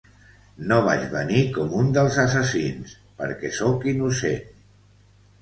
No vaig venir com un dels assassins, perquè sóc innocent.